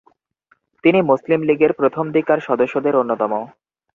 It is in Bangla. তিনি মুসলিম লীগের প্রথমদিককার সদস্যদের অন্যতম।